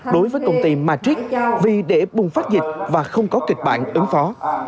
đối với công ty matrick vì để bùng phát dịch và không có kịch bản ứng phó